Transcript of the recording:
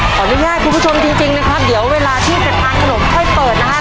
ขออนุญาตคุณผู้ชมจริงนะครับเดี๋ยวเวลาที่จะทานขนมค่อยเปิดนะฮะ